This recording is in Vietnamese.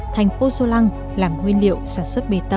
thành pozolang làm nguyên liệu sản xuất bê tông